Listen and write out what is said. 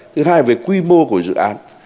thứ hai là về quy mô của dự án